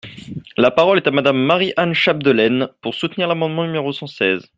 La parole est à Madame Marie-Anne Chapdelaine, pour soutenir l’amendement numéro cent seize.